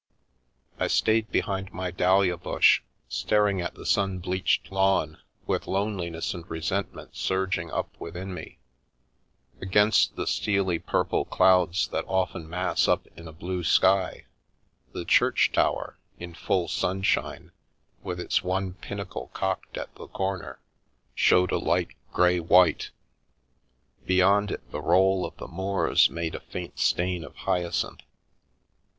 I stayed behind my dahlia bush, staring at the sun bleached lawn, with loneliness and resentment surging up within me Against the steely purple clouds that often mass up in a blue sky, the church tower, in full sunshine, with its one pinnacle cocked at the corner, showed a light grey white; beyond it the roll of the moors made a faint stain of hyacinth.